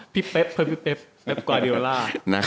พี่เป๊บกราดิวาล่า